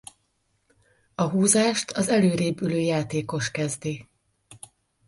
A húzást az előrébb ülő játékos kezdi.